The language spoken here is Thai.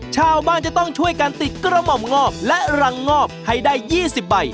ชาวบ้านจะต้องช่วยกันติดกระหม่อมงอบและรังงอบให้ได้๒๐ใบ